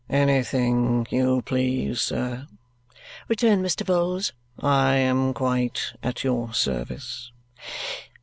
"Anything you please, sir," returned Mr. Vholes. "I am quite at your service."